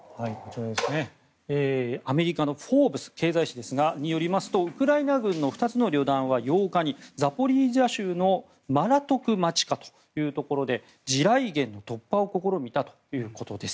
アメリカの「フォーブス」経済誌ですがウクライナ軍の２つの旅団は８日にザポリージャ州のマラトクマチカというところで地雷原の突破を試みたということです。